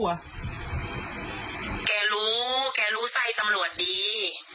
แกรู้แกรู้ไส้ตำรวจดี